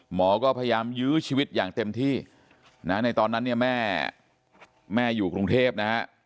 หมอก็พยายามยื้อชีวิตอย่างเต็มที่นะในตอนนั้นเนี่ยแม่แม่อยู่กรุงเทพนะฮะ